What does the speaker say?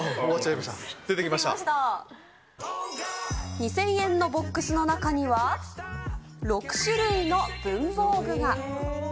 ２０００円のボックスの中には、６種類の文房具が。